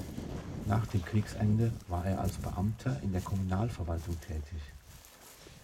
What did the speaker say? Nach dem Kriegsende war er als Beamter in der Kommunalverwaltung tätig.